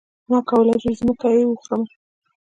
ما کولی شو ځمکه يې وخورمه.